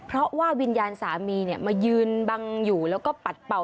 เพราะว่าวิญญาณสามีมายืนบังอยู่แล้วก็ปัดเป่า